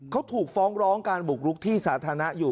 เขาถูกฟ้องร้องการบุกรุกที่สาธารณะอยู่